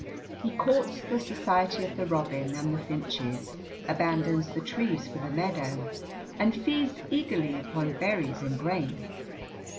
He courts the society of the robin and the finches, abandons the trees for the meadow, and feeds eagerly upon berries and grain.